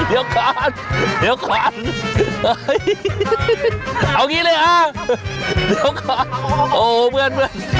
เอากินเลยค่ะเดี๋ยวขอโอ้เพื่อน